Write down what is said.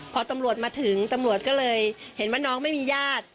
พอตำรวจมาถึงตำรวจก็เลยเห็นว่าน้องไม่มีญาติ